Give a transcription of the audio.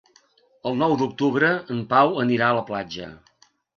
El nou d'octubre en Pau anirà a la platja.